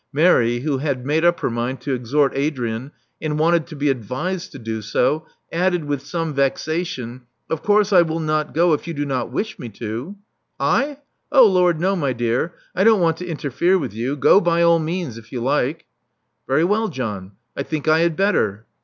Mary, who had made up her mind to exhort Adrian, and wanted to be advised to do so, added, with some vexation, Of coiirse I will not go if you do not wish me to." I ! Oh Lord no, my dear : I don't want to interfere with you. Go by all means if you like." •*Very well, John. I think I had better."